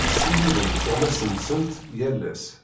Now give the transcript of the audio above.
Ssirident tuɣmas-nsent yal ass.